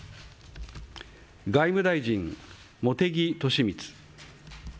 外務大臣、茂木敏充。